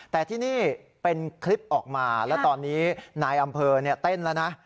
แต่ที่นี่เป็นคลิปออกมาแล้วตอนนี้นายอำเภอเต้นแล้วนะ